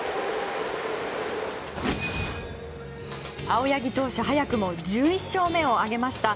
青柳投手、早くも１１勝目を挙げました。